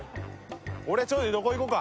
俺ちょっと横いこうか。